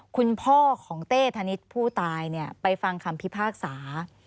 คุณพ่อของเต้ธนิษฐ์ผู้ตายไปฟังคำพิพากษา